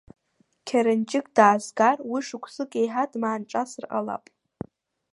Қьаранџьык даазгазар, уи шықәсык еиҳа дмаанҿасыр ҟалап.